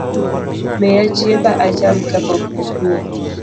Miya chiemba acham kapok okue.